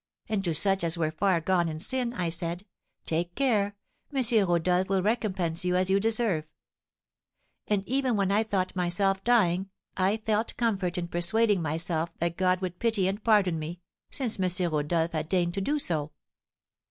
And to such as were far gone in sin, I said, 'Take care, M. Rodolph will recompense you as you deserve.' And even when I thought myself dying, I felt comfort in persuading myself that God would pity and pardon me, since M. Rodolph had deigned to do so."